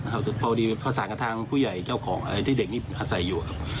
ต่ออีกเพราะอุดีประสานกับผู้ใหญ่เจ้าของที่เด็กนี้อาศัยอยู่ครับ